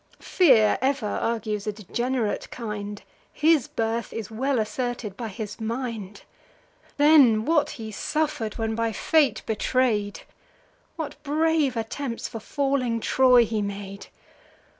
Fear ever argues a degenerate kind; His birth is well asserted by his mind. Then, what he suffer'd, when by Fate betray'd! What brave attempts for falling Troy he made!